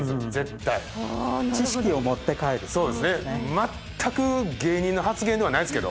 全く芸人の発言ではないですけど。